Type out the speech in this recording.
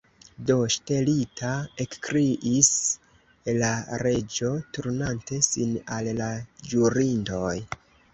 "Do, ŝtelita!" ekkriis la Reĝo, turnante sin al la ĵurintoj.